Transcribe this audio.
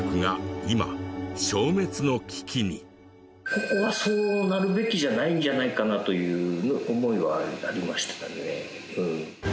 ここはそうなるべきじゃないんじゃないかなという思いはありましたかね。